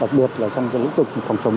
đặc biệt là trong lĩnh vực phòng chống